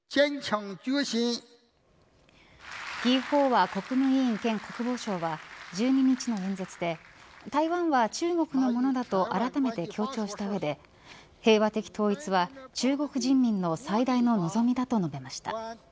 魏鳳和国務委員兼国防相は１２日の演説で台湾は中国のものだとあらためて強調した上で平和的統一は中国人民の最大の望みだと述べました。